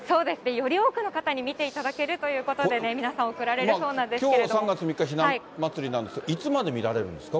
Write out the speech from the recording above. より多くの方に見ていただけるということで、皆きょうは３月３日ひな祭りなんですけれども、いつまで見られるんですか？